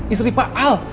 istri pak al